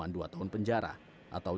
terimakasih berterima kasih